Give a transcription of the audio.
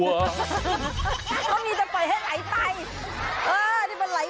มันอยู่ในตัวงี้มันไหลว่ะ